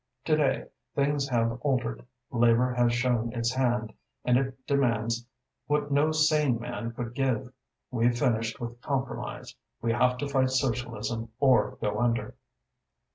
To day things have altered. Labour has shown its hand and it demands what no sane man could give. We've finished with compromise. We have to fight Socialism or go under."